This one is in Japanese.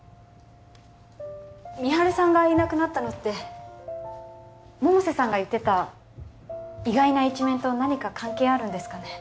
美晴さんがいなくなったのって百瀬さんが言ってた意外な一面と何か関係あるんですかね